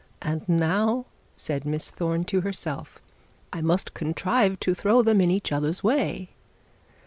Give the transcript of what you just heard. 'And now,' said Miss Thorne to herself,' I must contrive to throw them in each other's way.'